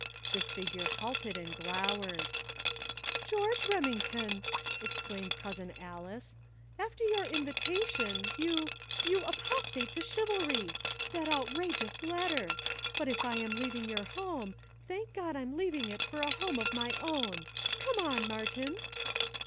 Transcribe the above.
This figure halted, and glowered. "George Remington," exclaimed Cousin Alys, "after your invitation you you apostate to chivalry! That outrageous letter! But if I am leaving your home, thank God I'm leaving it for a home of my own! Come on, Martin!"